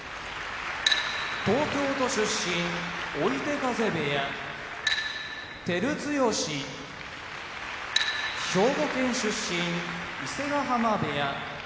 東京都出身追手風部屋照強兵庫県出身伊勢ヶ濱部屋